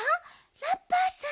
ラッパーさん。